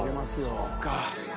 そうか。